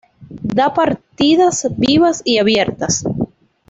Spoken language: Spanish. Da partidas vivas y abiertas.